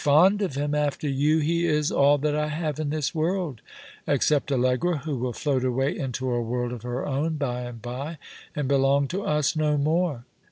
*' Fond of him ! After you he is all that I have in this world — except Allegra, who will float away into a world of her own by and by, and belong to us no more."